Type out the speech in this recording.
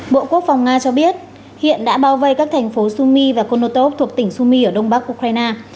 bộ quốc phòng nga cho biết hiện đã bao vây các thành phố sumy và konotop thuộc tỉnh sumy ở đông bắc ukraine